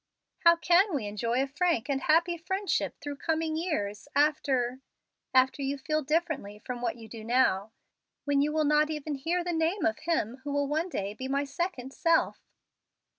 "How can we enjoy a frank and happy friendship through coming years, after after you feel differently from what you do now, when you will not even hear the name of him who will one day be my second self?"